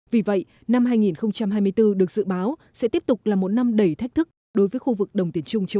vì vậy năm hai nghìn hai mươi bốn được dự báo sẽ tiếp tục là một năm đầy thách thức đối với khu vực đồng tiền trung châu